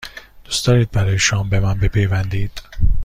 دوست دارید برای شام به من بپیوندید؟